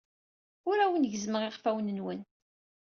Ur awen-gezzmeɣ iɣfawen-nwen.